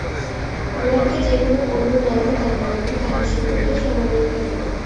গোলাপকে যে-কোন অন্য নামই দাও না কেন, তাহার সুগন্ধ সমানেই থাকিবে।